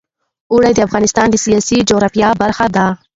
اوړي د افغانستان د سیاسي جغرافیه برخه ده.